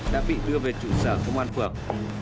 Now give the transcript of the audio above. đã bị đưa về trụ sở công an phòng